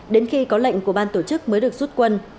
đến khi có lệnh của ban tổ chức mới được rút quân